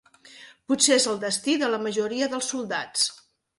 Potser és el destí de la majoria dels soldats